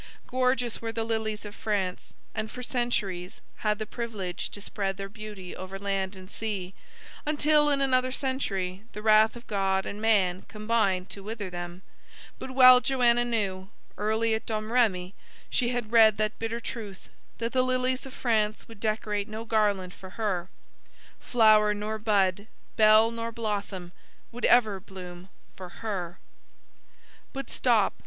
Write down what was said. Gorgeous were the lilies of France, and for centuries had the privilege to spread their beauty over land and sea, until, in another century, the wrath of God and man combined to wither them; but well Joanna knew, early at Domrémy she had read that bitter truth, that the lilies of France would decorate no garland for her. Flower nor bud, bell nor blossom, would ever bloom for her. But stop.